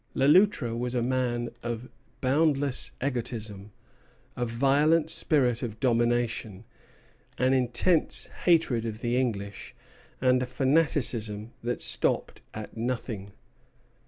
Le Loutre was a man of boundless egotism, a violent spirit of domination, an intense hatred of the English, and a fanaticism that stopped at nothing.